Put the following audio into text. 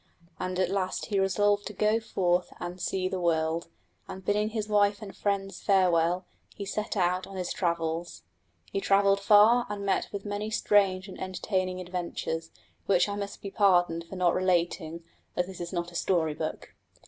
And at last he resolved to go forth and see the world, and bidding his wife and friends farewell he set out on his travels. He travelled far and met with many strange and entertaining adventures, which I must be pardoned for not relating, as this is not a story book.